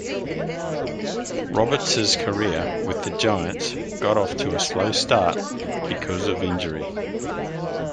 Roberts's career with the Giants got off to a slow start because of injury.